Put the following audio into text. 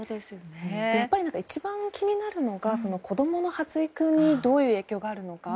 やっぱり一番気になるのが子供の発育にどういう影響があるのか。